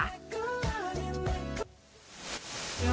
ดีดีดี